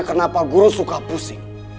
kenapa guru suka pusing